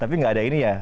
tapi gak ada ini ya